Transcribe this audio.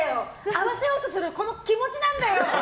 合わせようとする気持ちなんだよ！